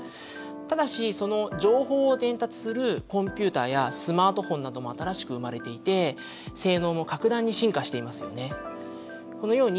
ただしその情報を伝達するコンピューターやスマートフォンなども新しく生まれていて性能も格段に進化していますよね。